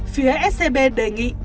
phía scb đề nghị